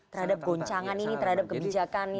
terhadap goncangan ini terhadap kebijakan